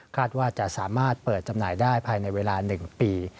ว่าจะสามารถเปิดจำหน่ายได้ภายในเวลา๑ปี